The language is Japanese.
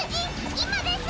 今です！